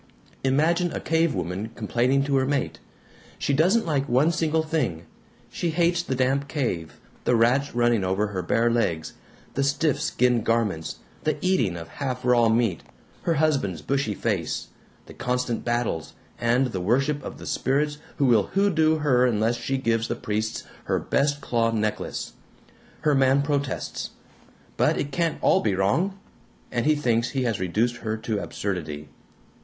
Imagine a cavewoman complaining to her mate. She doesn't like one single thing; she hates the damp cave, the rats running over her bare legs, the stiff skin garments, the eating of half raw meat, her husband's bushy face, the constant battles, and the worship of the spirits who will hoodoo her unless she gives the priests her best claw necklace. Her man protests, 'But it can't all be wrong!' and he thinks he has reduced her to absurdity.